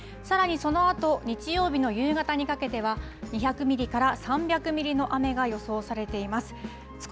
さらにそのあと日曜日の夕方にかけては２００ミリから３００ミリの雨が予想されています。